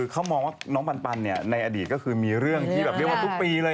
เขามองว่าน้องปันในอดีตก็คือมีเรื่องที่แบบเรียกว่าทุกปีเลย